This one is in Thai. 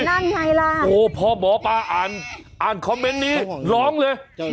นั่นไงล่ะโอ้พอหมอปลาอ่านคอมเมนต์นี้ร้องเลย